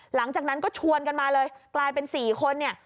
หลังจากนั้นก็ชวนกันมาเลยกลายเป็น๔คนเนี่ย